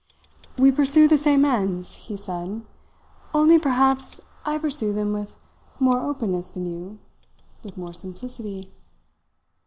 "'We pursue the same ends,' he said, 'only perhaps I pursue them with more openness than you with more simplicity.'